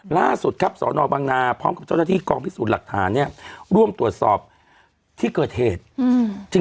ล่าสุดครับสอนอบังนาพร้อมกับเจ้าหน้าที่กองพิสูจน์หลักฐานเนี่ยร่วมตรวจสอบที่เกิดเหตุ